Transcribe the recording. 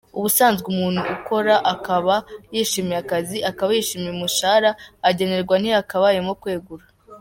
Ubusanzwe umuntu ukora akaba yishimiye akazi, akaba yishimiye umushahara agenerwa ntihakabayemo kwegura.